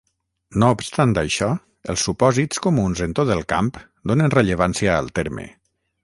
No obstant això, els supòsits comuns en tot el camp donen rellevància al terme.